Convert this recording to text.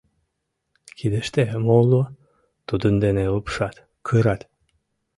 Кидыште мо уло, тудын дене лупшат, кырат.